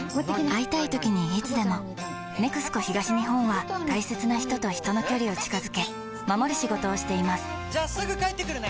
会いたいときにいつでも「ＮＥＸＣＯ東日本」は大切な人と人の距離を近づけ守る仕事をしていますじゃあすぐ帰ってくるね！